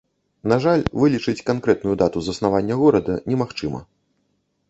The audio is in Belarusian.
На жаль, вылічыць канкрэтную дату заснавання горада немагчыма.